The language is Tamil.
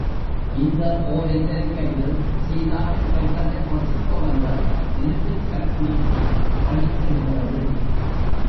இந்த ஓர் எச்சரிக்கையில், சீதாவின் கெட்டதைப் பொசுக்கவல்ல நெருப்புச் சக்தி பளிச்சிடுகிறது!